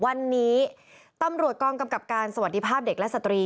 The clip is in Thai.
วันนี้ตำรวจกองกำกับการสวัสดีภาพเด็กและสตรี